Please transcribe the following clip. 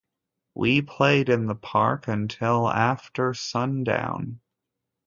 We played in the park until after sundown.